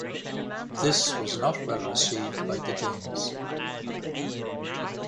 This was not well received by the Danes.